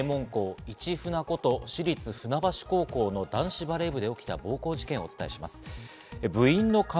続いては、スポーツの名門校「イチフナ」こと、市立船橋高校の男子バレー部で起きた暴行事件をお伝えします。